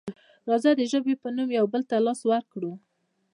راځه د ژبې په نوم یو بل ته لاس ورکړو.